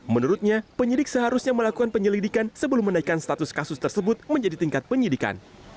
menurutnya penyidik seharusnya melakukan penyelidikan sebelum menaikkan status kasus tersebut menjadi tingkat penyidikan